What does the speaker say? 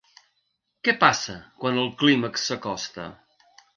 Què passa quan el clímax s'acosta?